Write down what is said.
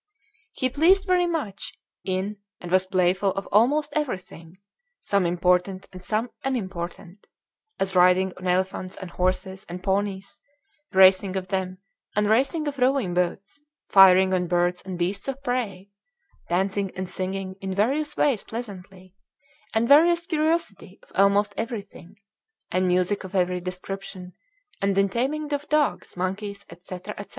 "He pleased very much in and was playful of almost everything, some important and some unimportant, as riding on Elephants and Horses and Ponies, racing of them and racing of rowing boats, firing on birds and beasts of prey, dancing and singing in various ways pleasantly, and various curiosity of almost everything, and music of every description, and in taming of dogs, monkeys, &c., &c.